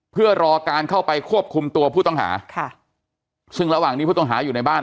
เพื่อรอการเข้าไปควบคุมตัวผู้ต้องหาค่ะซึ่งระหว่างนี้ผู้ต้องหาอยู่ในบ้าน